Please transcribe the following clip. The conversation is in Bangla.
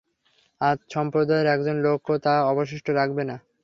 আদ সম্প্রদায়ের একজন লোককেও তা অবশিষ্ট রাখবে না।